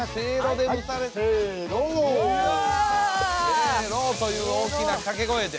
「せの」という大きな掛け声で。